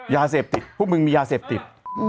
ยาเสพติดพวกมึงมียาเสพติด